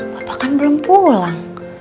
bapak kan belum pulang